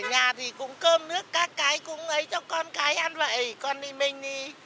ở nhà thì cũng cơm nước các cái cũng ấy cho con cái ăn vậy còn đi bênh đi